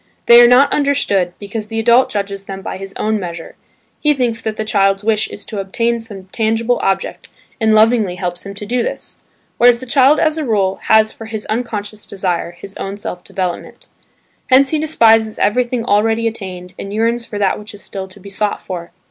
They are not understood, because the adult judges them by his own measure: he thinks that the child's wish is to obtain some tangible object, and lovingly helps him to do this: whereas the child as a rule has for his unconscious desire, his own self development. Hence he despises everything already attained, and yearns for that which is still to be sought for.